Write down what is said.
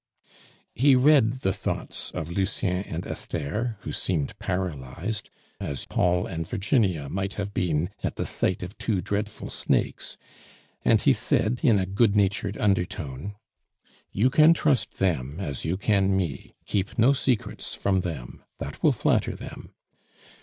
He read the thoughts of Lucien and Esther, who seemed paralyzed, as Paul and Virginia might have been at the sight of two dreadful snakes, and he said in a good natured undertone: "You can trust them as you can me; keep no secrets from them; that will flatter them.